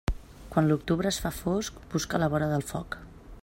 Quan l'octubre es fa fosc, busca la vora del foc.